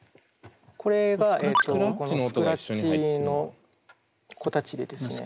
これがスクラッチの子たちでですね。